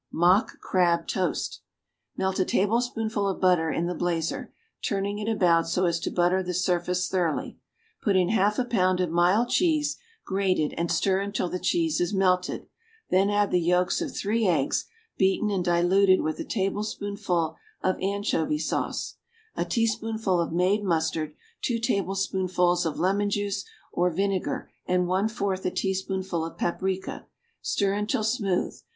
=Mock Crab Toast.= Melt a tablespoonful of butter in the blazer, turning it about so as to butter the surface thoroughly. Put in half a pound of mild cheese, grated, and stir until the cheese is melted; then add the yolks of three eggs, beaten and diluted with a tablespoonful of anchovy sauce, a teaspoonful of made mustard, two tablespoonfuls of lemon juice or vinegar and one fourth a teaspoonful of paprica. Stir until smooth.